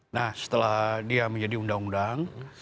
nah setelah dia menjadi undang undang